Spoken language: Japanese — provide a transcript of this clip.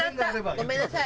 ごめんなさい。